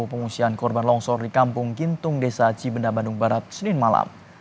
pengungsian korban longsor di kampung gintung desa cibenda bandung barat senin malam